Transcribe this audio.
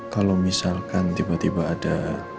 kalau misalkan tiba tiba ada